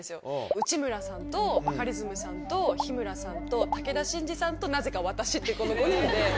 内村さんとバカリズムさんと日村さんと武田真治さんとなぜか私っていうこの５人で。